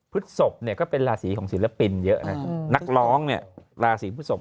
ศพเนี่ยก็เป็นราศีของศิลปินเยอะนะนักร้องเนี่ยราศีพฤศพ